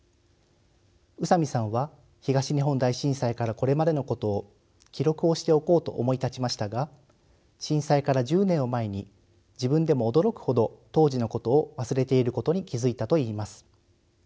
宇佐美さんは東日本大震災からこれまでのことを記録をしておこうと思い立ちましたが震災から１０年を前に自分でも驚くほど当時のことを忘れていることに気付いたといいます。